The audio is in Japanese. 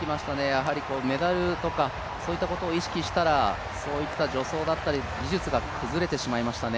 やはりメダルとか、そういったところを意識してきたら、助走とか技術が崩れてしまいましたね。